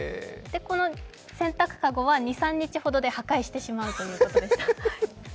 洗濯籠は２３日で破壊してしまうということです。